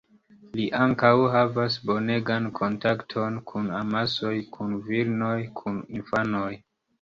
Li ankaŭ havas bonegan kontakton kun amasoj, kun virinoj, kun infanoj.